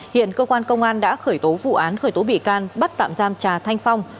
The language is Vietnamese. hiện cơ quan công an đã khởi tố vụ án khởi tố bị can bắt tạm giam trà thanh phong